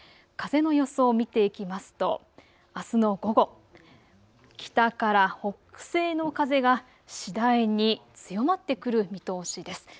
風の予想を見ていきますとあすの午後、北から北西の風が私大に強まってくる見通しです。